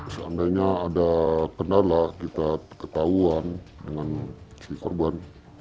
seandainya ada kendala kita ketahuan dengan si korban